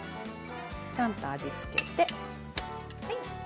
ちゃんと味を付けて。